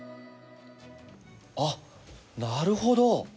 あ、なるほど。